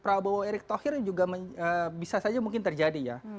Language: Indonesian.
prabowo erik thohir juga bisa saja mungkin terjadi ya